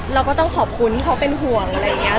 เราก็ต้องขอบคุณที่เขาเป็นห่วงอะไรอย่างนี้